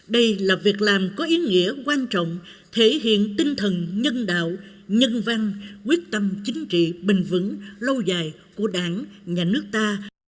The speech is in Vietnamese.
đây là việc làm có ý nghĩa quan trọng thể hiện tinh thần nhân đạo nhân văn quyết tâm chính trị bình vững lâu dài của đảng nhà nước ta